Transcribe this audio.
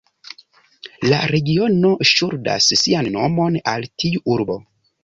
La regiono ŝuldas sian nomon al tiu urbo.